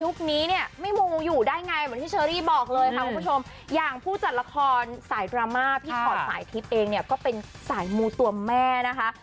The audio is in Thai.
นี้เนี่ยไม่มูอยู่ได้ไงเหมือนที่เชอรี่บอกเลยค่ะคุณผู้ชมอย่างผู้จัดละครสายดราม่าพี่พอร์ตสายทิพย์เองเนี่ยก็เป็นสายมูตัวแม่นะคะ